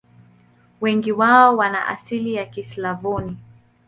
Wengi wao wana asili ya Kislavoni.